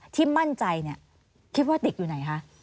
ที่มั่นใจคิดว่าติดอยู่ไหนคะ